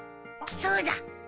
そうだ！